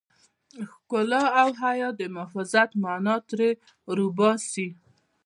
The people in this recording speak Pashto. د ښکلا او حيا د محافظت مانا ترې را وباسي.